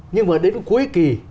nhưng mà đến cuối kỳ